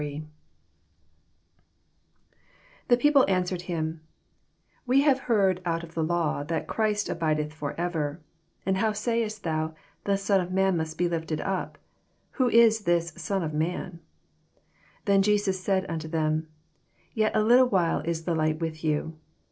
84 The people answered him, We have heard out of the law that Christ abideth forever: and how sayest thoa, The Son of man mnst be lifted up ? who is this Son of man 7 35 Then Jesns said nnto them, Yet a little while is the light with you.